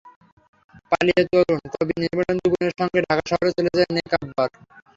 পালিয়ে তরুণ কবি নির্মলেন্দু গুণের সঙ্গে ঢাকা শহরে চলে যায় নেকাব্বর।